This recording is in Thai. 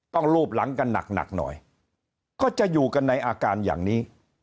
รูปหลังกันหนักหน่อยก็จะอยู่กันในอาการอย่างนี้